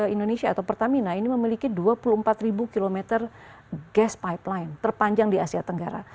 indonesia atau pertamina ini memiliki dua puluh empat km gas pipeline terpanjang di asia tenggara